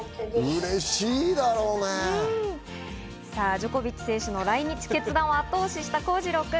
ジョコビッチ選手の来日決断を後押しした康次郎くん。